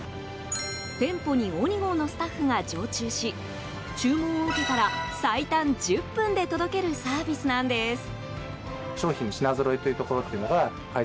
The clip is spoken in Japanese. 店舗にＯｎｉＧＯのスタッフが常駐し注文を受けたら、最短１０分で届けるサービスなんです。